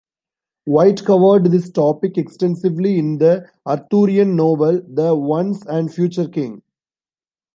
White covered this topic extensively in the Arthurian novel "The Once and Future King".